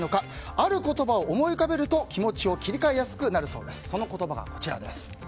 ある言葉を思い浮かべると気持ちを切り替えやすくなるそうです。